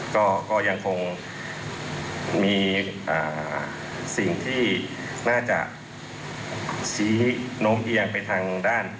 ก็ยังคงมีสิ่งที่น่าจะชี้โน้มเอียงไปทางด้าน